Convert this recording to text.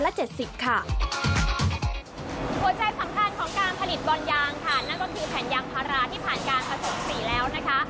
หัวใจสำคัญของการผลิตบอลยางค่ะนั่นก็คือแผ่นยางพาราที่ผ่านการผสมสีแล้วนะคะ